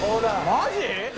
マジ！？